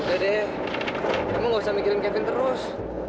udah deh kamu gak usah mikirin kevin terus